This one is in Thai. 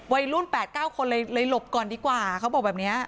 วัยรุ่น๘๙คนเลยหลบก่อนดีกว่าเขาบอกแบบเนี้ย